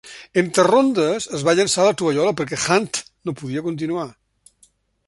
Entre rondes es va llençar la tovallola perquè Hunt no podia continuar.